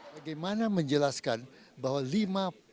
bagaimana menjelaskan bahwa lima